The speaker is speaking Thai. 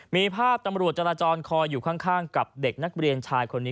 มีภาพตำรวจจราจรคอยอยู่ข้างกับเด็กนักเรียนชายคนนี้